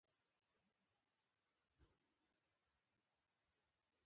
لوگر د افغان کلتور په داستانونو کې راځي.